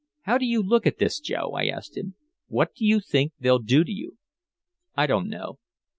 "How do you look at this, Joe?" I asked him. "What do you think they'll do to you?" "I don't know."